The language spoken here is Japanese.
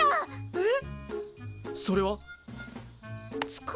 えっ？